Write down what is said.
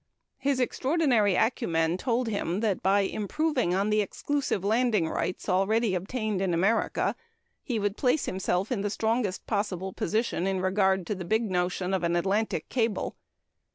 His extraordinary acumen told him that by improving on the exclusive landing rights already obtained in America, he would place himself in the strongest possible position in regard to the big notion of an Atlantic cable.